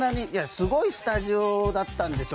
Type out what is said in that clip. すごいスタジオだったんですよ。